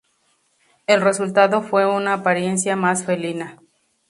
El resultado fue una apariencia más felina.